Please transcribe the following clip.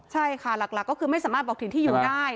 ใช่ค่ะหลักก็คือไม่สามารถบอกถิ่นที่อยู่ได้